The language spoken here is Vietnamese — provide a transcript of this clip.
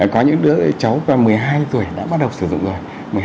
có những đứa cháu một mươi hai tuổi đã bắt đầu sử dụng rồi